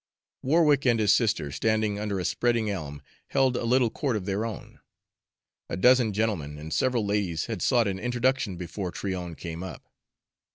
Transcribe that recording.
Warwick and his sister, standing under a spreading elm, held a little court of their own. A dozen gentlemen and several ladies had sought an introduction before Tryon came up.